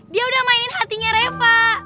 dia udah mainin hatinya reva